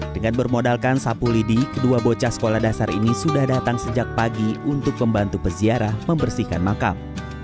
dengan bermodalkan sapu lidi kedua bocah sekolah dasar ini sudah datang sejak pagi untuk membantu peziarah membersihkan makam